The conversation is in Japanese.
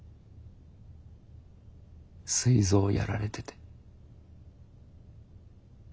すい臓やられてて。